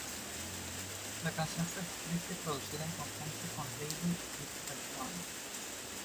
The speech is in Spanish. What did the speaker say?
La canción fue escrita y producida en conjunto por Lady Gaga y RedOne.